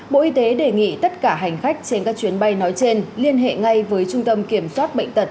bộ y tế đề nghị tất cả hành khách trên các chuyến bay nói trên liên hệ ngay với trung tâm kiểm soát bệnh tật